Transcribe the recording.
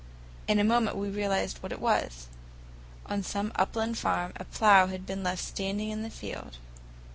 In a moment we realized what it was. On some upland farm, a plough had been left standing in the field.